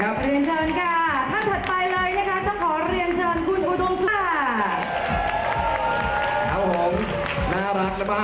ถัดไปเลยนะครับต้องขอเรียนเชิญคุณกุฏมสุภา